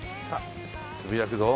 つぶやくぞ。